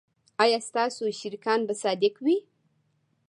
ایا ستاسو شریکان به صادق وي؟